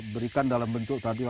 berikan dalam bentuk tadi